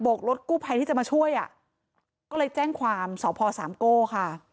กรถกู้ภัยที่จะมาช่วยอ่ะก็เลยแจ้งความสพสามโก้ค่ะ